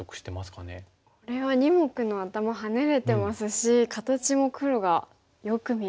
これは２目の頭ハネれてますし形も黒がよく見えますね。